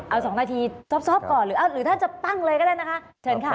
เอา๒นาทีซอบก่อนหรือถ้าจะปั้งเลยก็ได้นะคะเชิญค่ะ